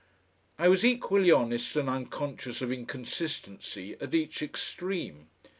I was equally honest and unconscious of inconsistency at each extreme.